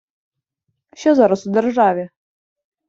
Що зараз у державі?